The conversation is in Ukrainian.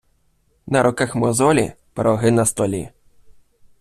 На руках мозолі — пироги на столі.